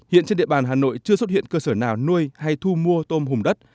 hiện trên địa bàn hà nội chưa xuất hiện cơ sở nào nuôi hay thu mua tôm hùm đất